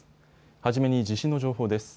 はじめに地震の情報です。